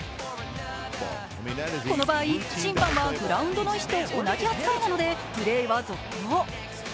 この場合、審判はグラウンドの石と同じ扱いなのでプレーは続行。